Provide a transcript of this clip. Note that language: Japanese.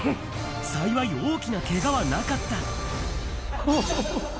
幸い大きなけがはなかった。